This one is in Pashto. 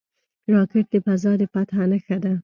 راکټ د فضا د فتح نښه ده